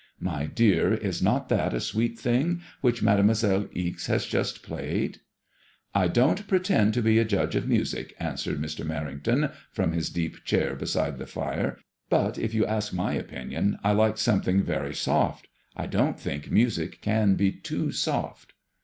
My dear, is not that a sweet thing which Mademoiselle Ixe has just played 7 "" I don't pretend to be a judge of music," answered Mr. Mer rington, from his deep chair beside the fire, " but if you ask my opinion, I like something ICADBMOISBLLB IXS. 91 very soft. I don't think music can be too soft."